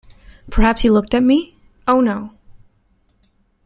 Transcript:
‘Perhaps you looked at me?’ ‘Oh, no!